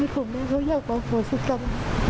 ก็อย่ารอโหวสตรรม